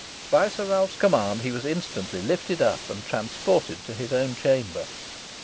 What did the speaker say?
By Sir Ralph's command he was instantly lifted up and transported to his own chamber.